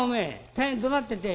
大変どなってて。